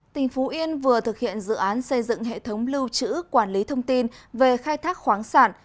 tỉnh phú yên vừa thực hiện dự án xây dựng hệ thống lưu trữ quản lý thông tin về khai thác khoáng sản